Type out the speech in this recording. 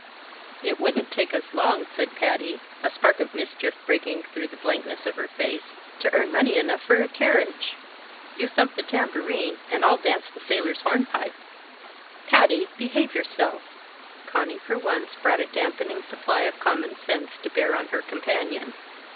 "It wouldn't take us long," said Patty, a spark of mischief breaking through the blankness of her face, "to earn money enough for a carriage you thump the tambourine and I'll dance the sailor's hornpipe." "Patty! Behave yourself." Conny for once brought a dampening supply of common sense to bear on her companion.